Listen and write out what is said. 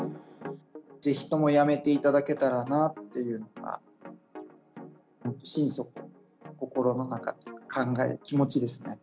ぜひともやめていただけたらなというのが、心底、心の中で考える気持ちですね。